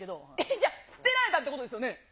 じゃあ、捨てられたっていうことですよね。